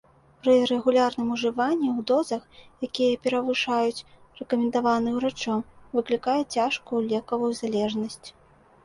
Пры рэгулярным ужыванні ў дозах, якія перавышаюць рэкамендаваныя ўрачом, выклікае цяжкую лекавую залежнасць.